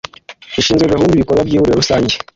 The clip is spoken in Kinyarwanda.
ishinzwe gahunda ibikorwa by ihuriro rusanjye